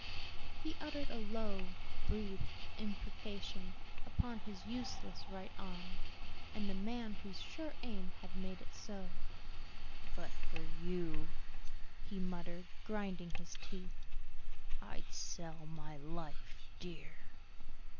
He uttered a low, breathed imprecation upon his useless right arm, and the man whose sure aim had made it so. "But for you," he muttered, grinding his teeth, "I'd sell my life dear."